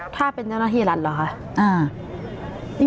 ถ้าเป็นเจ้าหน้าที่รัฐเหรอคะ